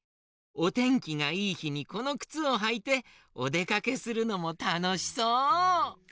おてんきがいいひにこのくつをはいておでかけするのもたのしそう。